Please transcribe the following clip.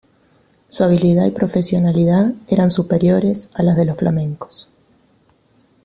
Su habilidad y profesionalidad eran superiores a las de los flamencos.